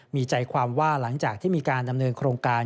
มีใจความว่าหลังจากที่มีการดำเนินโครงการ